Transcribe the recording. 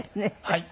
はい。